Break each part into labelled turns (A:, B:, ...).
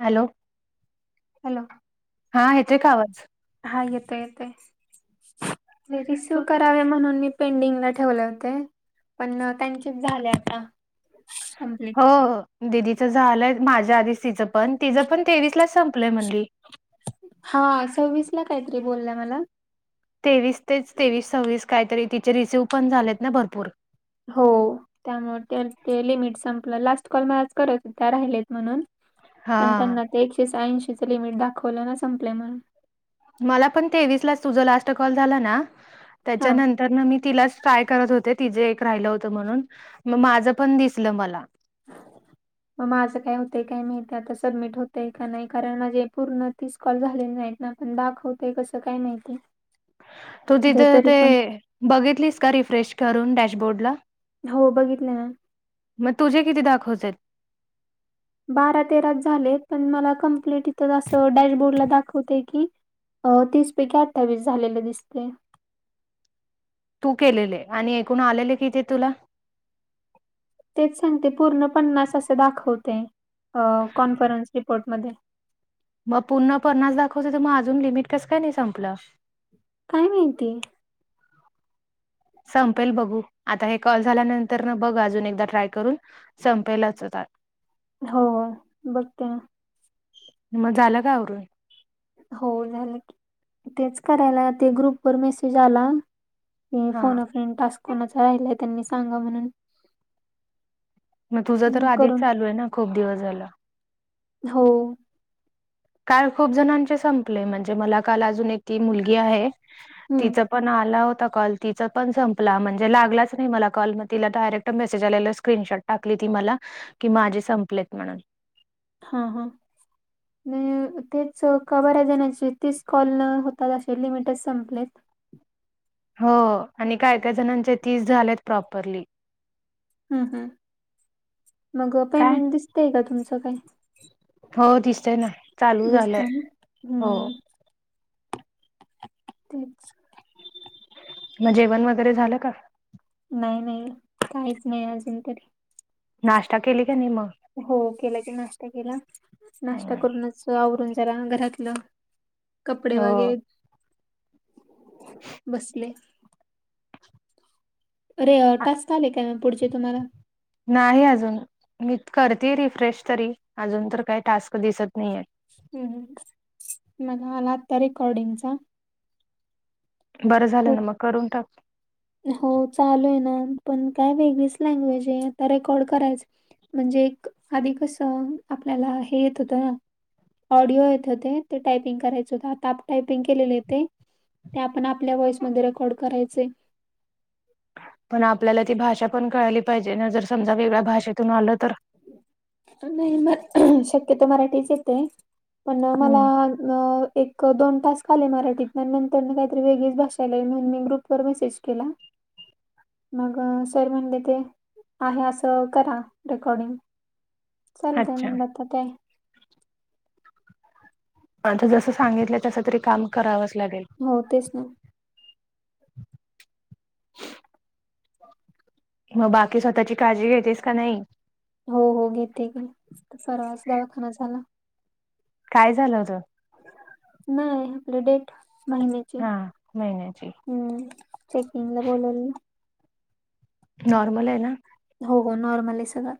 A: Hello,
B: hello
A: हां येतंय का आवाज?
B: हा येतय येतय रिसिव
A: हो
B: करावे म्हनून मी पेंडिंगला ठेवले होते पण त्यांचीच झाले आता. कंप्लीट
A: हो हो. दिदीचं झालंय माझ्या आधीच तिचं पण तिचं पण तेवीस लाच संपलंय म्हणली.
B: हा सव्वीस ला कायतरी बोलल्या मला.
A: तेवीस तेच तेवीस सव्वीस काय तरी तिचे रिसीव्ह पण झालेत ना भरपूर.
B: हो त्यामुळं ते ते लिमिट संपलं लास्ट कॉल मा करत त्या राहिलेत म्हणून. पण
A: हा
B: त्यांना ते एकशे सऐंशीच लिमिट दाखवलं ना संपले म्हणून.
A: माला पण तेवीस लाच तुझ लास्ट कॉल झाला ना
B: हा
A: त्याच्यानंतर न मी तिलास ट्राय करत होते. तिझं एक राहिलं होत म्हणून म माझं पण दिसलं मला.
B: म माझं काय होतंय काय माहिती आता सबमिट होतय का नाई कारण माझे पूर्ण तीस कॉल झालेली नाहीत ना पण दाखवते कसं काय माहिती.
A: तू
B: जर
A: तिथं
B: तरी
A: ते
B: पण
A: बघितलीस का रिफ्रेश करून डॅशबोर्डला?
B: हो बघितले.
A: म तुझे किती दाखवतायत?
B: बारा तेराच झाले पण मला कंप्लीट इथं आसं डॅशबोर्डला दाखवतंय की अ तीसपैकी अठ्ठावीस झालेले दिसते.
A: तू केलेले आणि एकून आलेले किती तुला?
B: तेच सांगते पूर्ण पन्नास असं दाखवते कॉन्फरन्स रिपोर्टमध्येध्ये.
A: मग पुर्ण पन्नास दाखवच तर मग अजून लिमिट कसं काय नाही संपलं?
B: काय माहिती.
A: संपेल बघू आता हे कॉल झाल्यानंतर बघ अजून एकदा ट्राय करून. संपेलाच आता.
B: हो बघते ना.
A: मग झालं का आववरून?
B: हो झालं की तेच करायला ते ग्रुप वर मेसेज आला हे
A: हा
B: फोन फेन टास् कोणाचा राहिलाय त्यांनी सांगा म्हणून,
A: मग तुझं तर आधीच चालू आहे ना खूप दिवस झाला.
B: हो
A: काल खूप जणांचे संपले म्हणजे मला काल अजून एक ती मुलगी आहे.
B: हम्म
A: तिच पण आला होता कॉल. तिचा पण संपला म्हणजे लागलाच नाही मला कॉल मग तिला डायरेक्ट मेसेज आलेला स्क्रीनशॉट टाकली ती मला, कि माझे संपलेत म्हणून.
B: हा हा न तेच बऱ्याच जण्याचे तीस कॉल न होताते लिमिटच संपलेत.
A: हो आणि काय काय जणांचे तीस झाल्यात प्रॉपरली.
B: हम् हम् मग
A: काय
B: पेमेंट दिसतय का तुमचं काय?
A: हो दिसतय ना चालू
B: दिसतय
A: झालंय
B: ना
A: हो.
B: हम्म तेच
A: मग जेवण वगैरे झालं का?
B: नाही नाही काहीच नाही अजून तरी.
A: नाश्ता केली का नाही मग.
B: हो केला की नाश्ता केला नाश्ता
A: हम्म.
B: करूनच आवरून झाला घरातलं, कपडे
A: हो
B: वगैरे, बसले. अरे
A: आ-
B: टास्क स आले काय पुढचे तुम्हाला.
A: नाही अजून मी करते रिफ्रेश तरी अजून तर काही टास्क दिसत नाहीे.
B: हम् मला आला आता रेकॉर्डिंगचा.
A: बरं झालं ना
B: खूप
A: मग करून टाक.
B: हो चालू आहे ना पण काय वेगळीच लँग्वेज आहे आता रेकॉर्ड करायच. म्हणजे एक अध कसं आपल्याला हे येत होतं ना. ऑडिओ येत होते ते टायपिंग करायचं होत आता आप टायपिंग केलेले ते. ते आपण आपल्या वॉइसमध्ये रेकॉर्ड करायचंय.
A: पण आपल्याला ती भाषा पण कळाली पाहिजे ना जर समजा वेगळ्या भाषेतून आलं तर?
B: नाही [unintelligible] म शक्यतो मराठीच येते पण मला
A: हम्म
B: अ- एक दोन तास आले मराठीत आणि नंतर न काहीतरी वेगळीच भाषा यायलाई म्हणून मी ग्रुप वर मेसेज केला. मग सर म्हणले ते आहे असं करा रेकॉर्डिंग. चालतय
A: अच्छा
B: म्हणटात ते-
A: आता जसं सांगितलं तस तरी काम करावंच लागेल.
B: हो तेच ना.
A: मग बाकी स्वतःची काळजी घेतेस का नाही.
B: हो हो घेते ग [unintelligible] दवाखाना झाला.
A: काय झालं होतं?
B: नाय आपले डेट महिन्याचे
A: हा महिन्याची
B: हम्म. चेकिंगला बोलावलं.
A: नॉर्मल आहे ना.
B: हो ग नॉर्मल आहे सगळं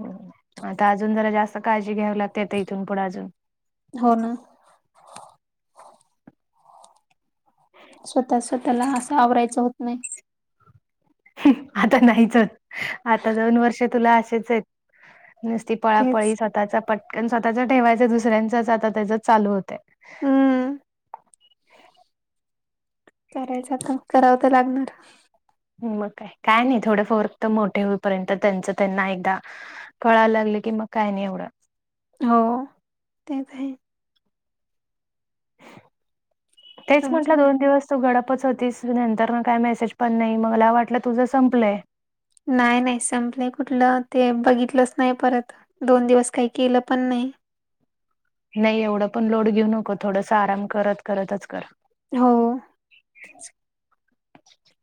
A: हम्म आता अजून जरा जास्त काळजी घ्यावी लागते आता इथून पुढे अजून
B: हो ना. स्वतःच स्वतःला असं आवरायचं होत नाही.
A: आता नाहीच आता दोन वर्षे तुला असेच आहेत नूसती
B: तेच
A: पळापळी स्वतःचा पटकन स्वतःचा ठेवायचं दुसऱ्यांच आता त्याच्याच चालू होतंय.
B: हम्म. करायचं आता करावं तर लागणारं.
A: मग काय काय नाय थोडं फोर तर मोठे होईपर्यंत त्यांच त्यांना एकदा कळायला लागले की मग काय नाही एवढं.
B: हो त्यात आहे.
A: तेच म्हंटलं
B: तुमचं काय
A: दोन दिवस तू गडपच होतीस नंतर ना काय मेसेज पण नाही मग मला वाटलं तुझं संपलंय.
B: नाही नाही संपलंय कुठलं ते बघितलंच नाही परत दोन दिवस काही केलं पण नाही.
A: नाही एवढं पण लोड घेऊ नको थोडसं आराम करत करतच कर.
B: हो.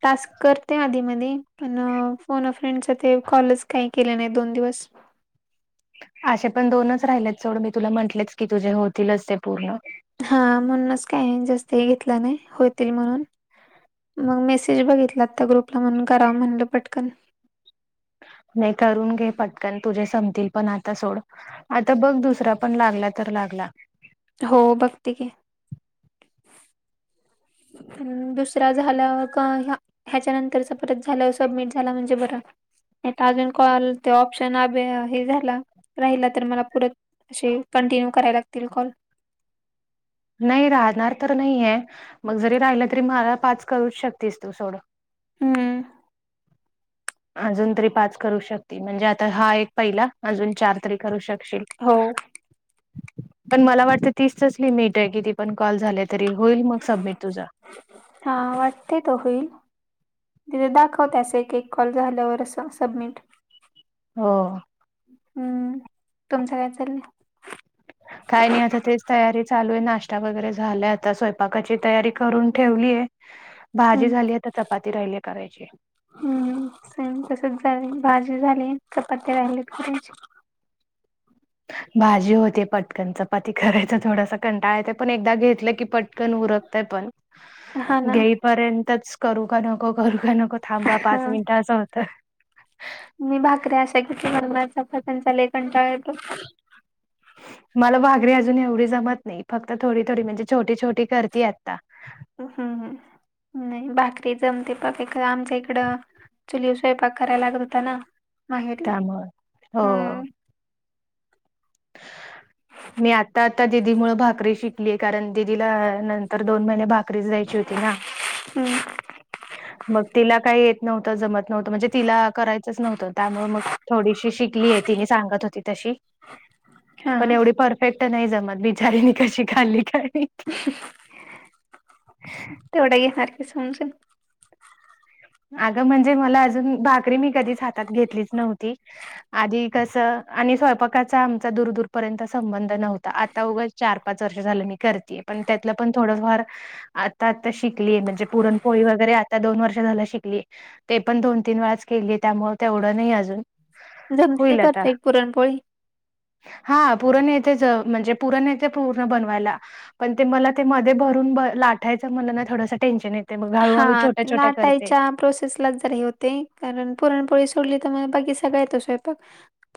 B: टास्क करते आधी मधी पण अह फोन फ्रेंडस ते कॉलच काही केले नाही दोन दिवस
A: अशे पण दोनच राहिलेत सोड मी तुला म्हंटलेच की तुझे होतीलच ते पूर्ण.
B: हा म्हणूनच काही जास्त हे घेतलं नाय होतील म्हणून. मग मेसेज बघितला आता ग्रुपला म्हणून करावं म्हटलं पटकन.
A: नाही करून घे पटकन तुझे संपतील पण आता सोड. आता बघ दुसरा पण लागला तर लागला.
B: हो बघते की. हम्म दुसरा झाला का ह्या ह्याच्यानंतरच परत झालं सबमिट झाला म्हणजे बरं नाही तर अजून कॉल ते ऑप्शन आबे हे झाला राहिला तर मला पुरत अशे कंटिन्यू करायला लागतील कॉल.
A: नाही राहणार तर नाहीये मग जरी राहिलं तरी मला पाच करूच शकतेस तू सोडं.
B: हम्म.
A: अजून तरी पाच करू शकती म्हणजे आता हा एक पहिला अजून चार तरी करू शकशील.
B: हो.
A: पण मला वाटतं तीसचाच लिमिट आहे किती पण कॉल झाले तरी होईल मग सबमिट तुझा.
B: हा वाटतय तो होईल. तिथे दाखवते असं एक एक कॉल झाल्यावर असं सबमिट.
A: हो.
B: हम्म, तुमचं काय चाल्लयं?
A: काय नाही आता तेच तयारी चालू आहे नाश्ता वगैरे झालाय आता स्वयंपाकाची तयारी करून ठेवलीय. भाजी
B: हम्म
A: झाली आहे आता चपाती राहिली करायची.
B: हम्म सेम तसच झालं भाजी झाली चपात्या राहिली करायची.
A: भाजी होते पटकन चपाती करायचा थोडासा कंटाळा येतो पण एकदा घेतलं की पट कन उरकतय पण
B: हा ना
A: घेईपर्यंतच करू का नको करू का नको थांबा
B: हा
A: पाच मिनिट असं हो तं
B: मी भाकऱ्या अशा किती खरं चपात्यांचा लय कंटाळा येतो.
A: मला भाकरी अजून एवढी जमत नाही फक्त थोडी-थोडी म्हणजे छोटी-छोटी करतेय आत्ता.
B: हम्म हम्म, नाही भाकरी जमते पकेक आमच्या इकडं- चुलीवर स्वयपाक करायला लागत होता ना मा हे.
A: त्यामुळं हो. मी आता आता दिदी मुळं भाकरी शिकली कारण दिदीला नंतर दोन महिने भाक रीच द्यायची होती ना.
B: हम्म
A: मग तिला काय येत नव्हतं जमत नव्हतं म्हणजे तिला करायचंच नव्हतं त्यामुळे मग थोडीशी शिकलेय तिने सांगत होती तशी. पण
B: हा
A: एवढी परफेक्ट नाही जमत, बिचारीनी कशी खाल्ली काय
B: [inaudible]
A: ह
B: तेवढं घेणार की समजुन.
A: अगं म्हणजे मला अजून भाकरी मी कधीच हातात घेतलीच नव्हती.
B: [inaudible]
A: आधी कसं आणि स्वयंपाकाचा आमचा दूरदूरपर्यंत संबंध नव्हता आता उगंच चार पाच वर्ष झालं मी करतेय पण त्यातलं पण थोडंफार आता आता शिकलीय, म्हणजे पुरणपोळी वगैरे आता दोन वर्ष झालं शिक लेय ते पण दोन तीन वेळाच केलीय त्यामुळं तेवढं नाही अजून
B: जमते
A: होईल आता
B: परफेक्ट पुरणपोळी?
A: हा पूरण येतेच म्हणजे पूरण येते पूर्ण बनवायला. पण ते मला ते मध्ये भरून लाठायचं म्हणलं ना थोडं टेन्शन येत
B: हा लाटायच्या प्रोसेस लाच जरा हे होतंय कारण पुरणपोळी सोडली तर म बाकी सगळा येतो स्वयपाक.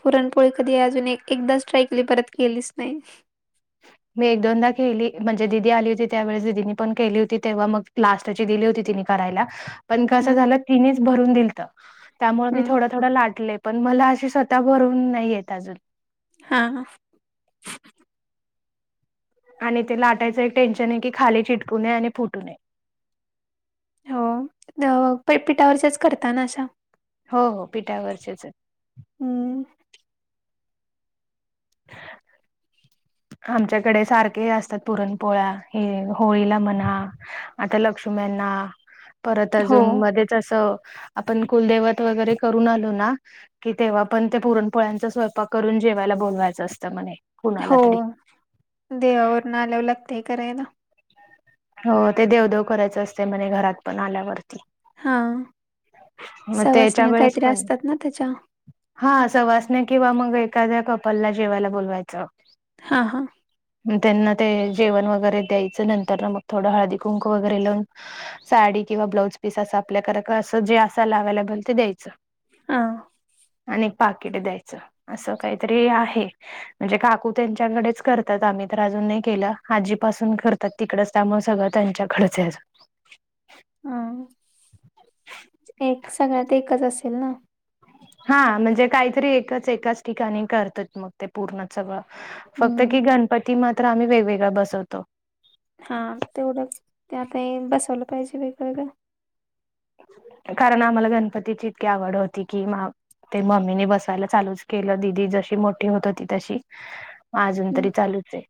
B: पुरणपोळी कधी अजून एक एकदाच ट्राय केली परत केलीच नाही.
A: मी एक दोनदा केली म्हणजे दिदी आली होती त्यावेळेस दिदीनी पण केली होती तेव्हा मग लास्टची दिली होती तिने करायला पण कसं
B: हम्म
A: झालं तिनेच भरून दिलंत त्यामुळे मी
B: हम्म
A: थोड थोडं लाटले पण मला अशी स्वतः भरुन नाही येत अजून.
B: हा हा.
A: आणि ते लाटायचं एक टेन्शन आहे की खाली चिटकू नये आणि फुटू नये.
B: हो पिठावरच्याच करता ना अशा?
A: हो हो पिठावरचेच आहेत.
B: हम्म
A: आमच्याकडे सारखे असतात पुरणपोळ्या हे होळीला म्हणा आता लक्ष्मींना परत
B: हो
A: अजून मध्ये तसं आपण कुलदैवत वगैरे करून आलो ना कि तेव्हा पण ते पुरणपोळ्यांचा स्वयंपाक करून जेवायला बोलवायचं असतं म्हणे. कुणाला
B: हो
A: तरी
B: देवावरनं आल्यावर लागतय करायला.
A: हो ते देवदेव करायचं असते म्हणे घरात पण आल्यावरती.
B: हा...
A: मग त्याच्या
B: सवासण्या
A: वेळेस
B: काहीतरी
A: पण
B: असतात ना त्याच्या
A: हा सवासण्या किंवा मग एखाद्या कपलला जेवायला बोलवायचं.
B: हा.. हा
A: मग त्यांना ते जेवण वगैरे द्यायचं नंतर ना मग थोडं हळदी कुंक वगैरे लावून साडी किंवा ब्लाउज पीस असं आपल्या कर कस जे असाल अवेलेबल ते द्यायचं,
B: हा
A: आणि पाकिट द्यायचं. असं काहीतरी आहे. म्हणजे काकू त्यांच्याकडेच करतात आम्ही तर अजून नाही केलं आजीपासून कर त तिकडच त्यामुळं सगळं त्यांच्याकडचं आहे अजुन.
B: हा एक सगळ्यात एकच असेल ना.
A: हा म्हणजे काहीतरी एकच एकाच ठिकाणी करतय मग ते पूर्ण सगळं फक्त
B: हम्म
A: कि गणपती मात्र आम्ही वेगवेगळा बसवतो.
B: हा तेवढं, त्यातही बसवलं पाहिजे वेगं
A: कारण आम्हाला गणपतीची इतकी आवड होती कि मा ते मम्मीने बसवायला चालूच केलं दिदी जशी मोठी होत होती तशी अजून
B: हम्म
A: तरी चालूच आहे.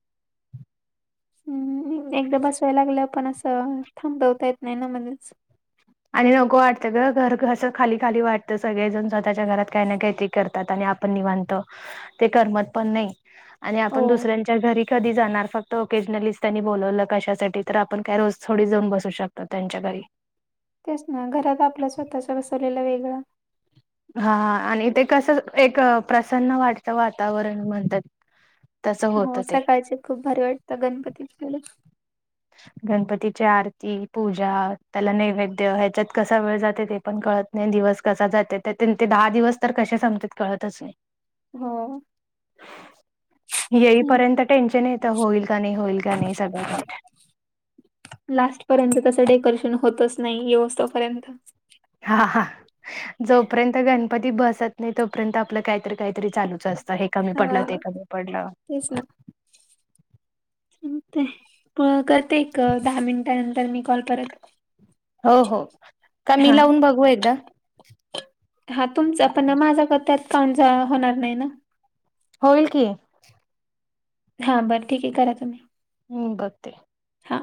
B: हम्म.. एकदा बसावाय लागलं पण असं.. थांबवता येत नाही ना म्हणच.
A: आणि नको वाटतं ग घर अससं खाली खाली वाटतं सगळेजण स्वतःच्या घरात काय ना काय ते करत त्यात आणि आप निवांत ते करमतपण नाही आणि
B: हो
A: आपण दुसऱ्यांच्या घरी कधी जाणार फक्त ओकेजनली त्यांनी बोलावलं कशासाठी तर आपण काय रोज थोडी जाऊन बसू शकतो त्यांच्या घरी
B: तेच ना घरात आपला स्वतःच्या बसवलेल वेगळ
A: हा.. अ आणि ते कसं एक प्रसन्न वाटचं वातावरण म्हणतात. तसं
B: हो
A: होतं ते
B: सकाळचे खूप भारी वाटतं गणपतीपमुळे
A: गणपतीची आरती पूजा त्याला नैवेद्य ह्याच्यात कसा वेळ जाते ते पण कळत नाही दिवस कसा जाते तर ते दहा दिवस तर कशे समतेत कळतच नाही.
B: हो..
A: येईपर्यंत टेन्शन येत होईल का नाही होईल का नाही सगळं नीट
B: लास्ट पर्यंत तसं डेकोरेशन होतच नाही व्यवस्थोपर्यंत
A: हा हा जोपर्यंत गणपती बसत नाही तोपर्यंत आपलं काहीतरी काहीतरी चालू जास्त हे कमी पडलं
B: हा
A: ते कमी पडलं
B: तेच ना.. ते प करते एक दहा मिनिटानंतर मी कॉल परत
A: हो.. हो. का मी
B: हा
A: लावून बघू एकदा.
B: हा तुमचा पण माझा त्यात काउंट.. होणार नाही ना
A: होईल की
B: हा बरं ठीक आहे करा तुम्ही
A: हम्म.. बघते.
B: हा